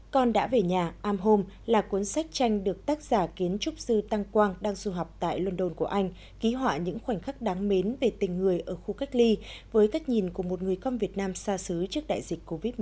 con đã về nhà im home là cuốn sách tranh được tác giả kiến trúc sư tăng quang đang du học tại london của anh ký họa những khoảnh khắc đáng mến về tình người ở khu cách ly với cách nhìn của một người con việt nam xa xứ trước đại dịch covid một mươi chín